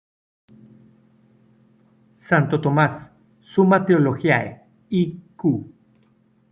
Santo Tomás, "Summa Theologiae" I. q.